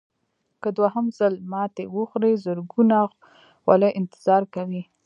که دوهم ځل ماتې وخورئ زرګونه خولې انتظار کوي.